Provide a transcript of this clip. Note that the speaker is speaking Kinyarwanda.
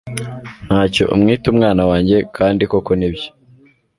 ntacyo umwitaumwana wanjye kandi koko nibyo